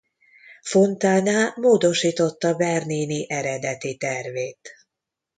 Fontana módosította Bernini eredeti tervét.